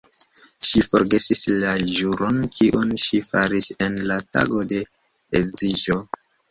Ŝi forgesis la ĵuron, kiun ŝi faris en la tago de edziĝo!